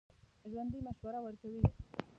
ژوندي مشوره ورکوي